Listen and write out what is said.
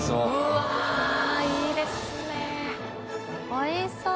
おいしそう。